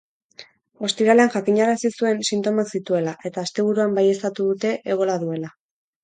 Ostiralean jakinarazi zuen sintomak zituela, eta asteburuan baieztatu dute ebola duela.